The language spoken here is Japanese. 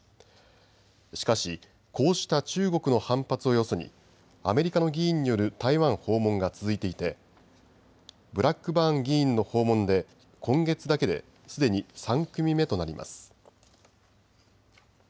しかし、こうした中国の反発をよそにアメリカの議員による台湾訪問が続いていてブラックバーン議員の訪問で今月だけですでに３組目となります。